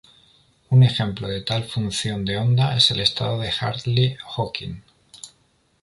Un ejemplo de tal función de onda es el estado de Hartle-Hawking.